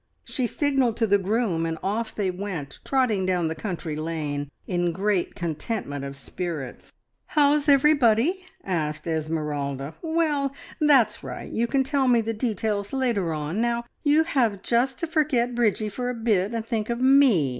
She signalled to the groom, and off they went, trotting down the country lane in great contentment of spirits. "How's everybody?" asked Esmeralda. "Well? That's right. You can tell me the details later on. Now, you have just to forget Bridgie for a bit, and think of Me.